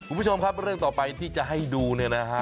คุณผู้ชมครับเรื่องต่อไปที่จะให้ดูเนี่ยนะฮะ